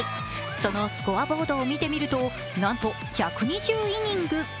そのスコアボードを見てみるとなんと１２０イニング。